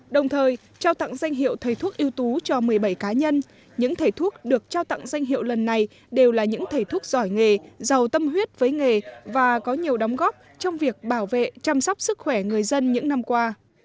đồng thời trao tặng danh hiệu thầy thuốc ưu tú cho một mươi bảy cá nhân những thầy thuốc được trao tặng danh hiệu lần này đều là những thầy thuốc giỏi nghề giàu tâm huyết với nghề và có nhiều đóng góp trong việc bảo vệ chăm sóc sức khỏe người dân những năm qua